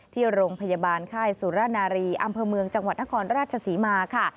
ที่โรงพยาบาลค่ายสุรนารีอำเภอเมืองจังหวัดนครราชศรีมาค่ะ